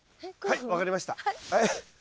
はい分かりましたはい。